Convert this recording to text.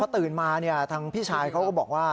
ตื่นมาทางพี่ชายเขาก็บอกว่า